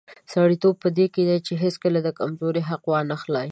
سړیتوب په دې کې دی چې هیڅکله د کمزوري حق وانخلي.